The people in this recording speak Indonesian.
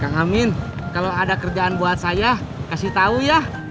kang amin kalau ada kerjaan buat saya kasih tahu ya